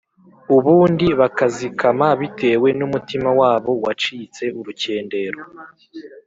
ubundi bakazikama bitewe n’umutima wabo wacitse urukendero,